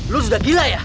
lo sudah gila ya